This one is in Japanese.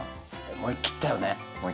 思い切ったよね。